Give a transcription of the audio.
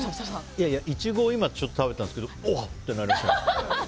イチゴをちょっと今食べたんですけどおってなりました。